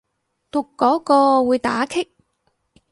讀嗰個會打棘